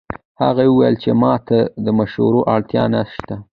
هغې وویل چې ما ته د مشورې اړتیا نه شته